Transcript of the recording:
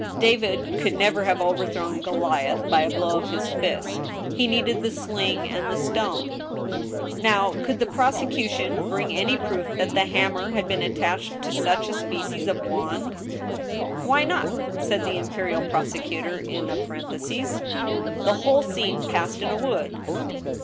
David could never have overthrown Goliath by a blow of his fist ; he needed the sling and the stone. Now, could the prosecution bring any proof that the hammer had been attached to such a species of wand ? 2O0 ^^^ STEEL HAMMER. •• Why not ?" said the imperial prosecutor, in a parenthesis ;" the whole scene passed in a wood."